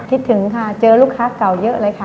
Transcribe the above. คิดถึงค่ะเจอลูกค้าเก่าเยอะเลยค่ะ